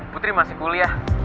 putri masih kuliah